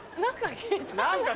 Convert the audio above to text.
何か。